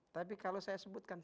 tapi kalau saya sebutkan